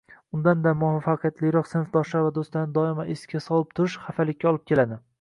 Undanda muvaffaqiyatliroq sinfdoshlar va do‘stlarni doimo esiga solib turish xafalikka olib keladi